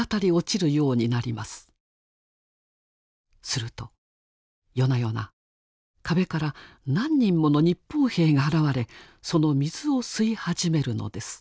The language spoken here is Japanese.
すると夜な夜な壁から何人もの日本兵が現れその水を吸い始めるのです。